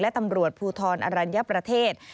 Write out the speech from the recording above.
และตำรวจภูทรอรัญญประเทศ